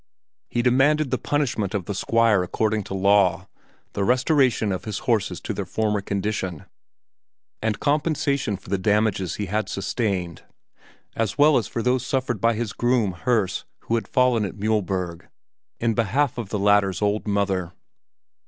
He demanded the punishment of the Squire according to law, the restoration of the horses to their former condition, and compensation for the damages he had sustained as well as for those suffered by his groom, Herse, who had fallen at Mühlberg in behalf of the latter's old mother.